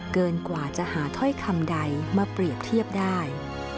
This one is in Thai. เกินกว่าจะหาถ้อยคำใดมาเปรียบเทียบได้